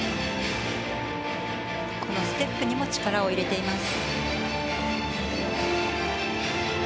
このステップにも力を入れています。